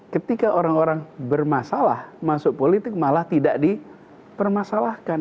ketika orang orang bermasalah masuk politik malah tidak dipermasalahkan